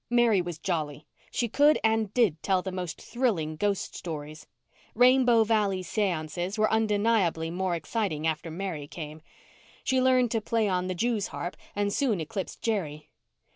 Mary was jolly. She could and did tell the most thrilling ghost stories. Rainbow Valley seances were undeniably more exciting after Mary came. She learned to play on the jew's harp and soon eclipsed Jerry.